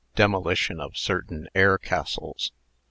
DEMOLITION OF CERTAIN AIR CASTLES.